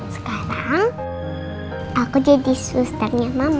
sekarang aku jadi susternya mama